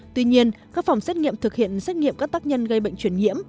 tuy nhiên các phòng xét nghiệm thực hiện xét nghiệm các tác nhân gây bệnh chuyển nhiễm